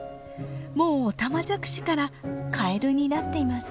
もうオタマジャクシからカエルになっています。